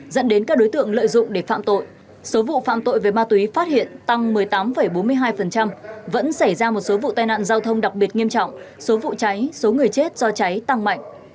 dẫn đến các đối tượng lợi dụng để phạm tội số vụ phạm tội về ma túy phát hiện tăng một mươi tám bốn mươi hai vẫn xảy ra một số vụ tai nạn giao thông đặc biệt nghiêm trọng số vụ cháy số người chết do cháy tăng mạnh